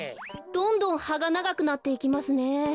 どんどんはがながくなっていきますねえ。